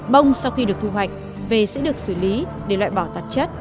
bông sau khi được thu hoạch về sẽ được xử lý để loại bỏ tạp chất